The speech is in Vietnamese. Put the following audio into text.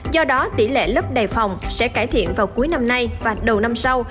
do đó tỷ lệ lớp đề phòng sẽ cải thiện vào cuối năm nay và đầu năm sau